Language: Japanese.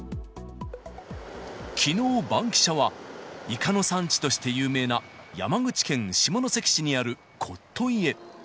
きのう、バンキシャはイカの産地として有名な山口県下関市にある特牛へ。